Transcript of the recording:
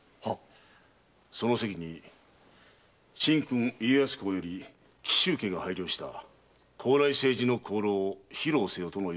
その席に神君家康公より紀州家が拝領した高麗青磁の香炉を披露せよとの要請であったが。